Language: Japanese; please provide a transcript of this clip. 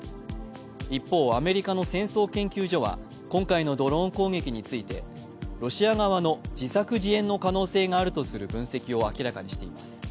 一方、アメリカの戦争研究所は今回のドローン攻撃についてロシア側の自作自演の可能性があるとする分析を明らかにしています。